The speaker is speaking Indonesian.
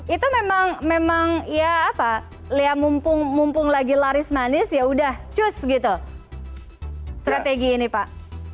itu memang ya apa mumpung lagi laris manis yaudah cus gitu strategi ini pak